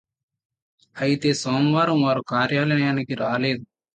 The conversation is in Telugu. అయితే సోమవారం వారు కార్యలయానికి రాలేదు